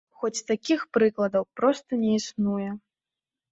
Хоць такіх прыкладаў проста не існуе.